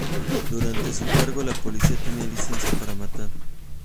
Durante su cargo, la policía tenía "Licencia para Matar".